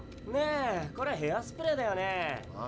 ねえこれヘアスプレーだよね？